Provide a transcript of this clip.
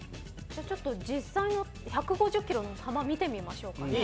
実際の１５０キロの球見てみましょうか。